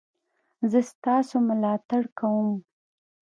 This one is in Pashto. زه ستاسو ملاتړ کوم